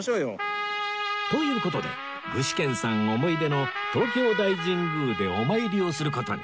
という事で具志堅さん思い出の東京大神宮でお参りをする事に